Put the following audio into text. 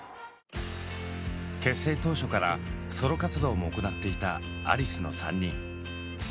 結成当初からソロ活動も行っていたアリスの３人。